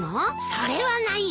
それはないよ。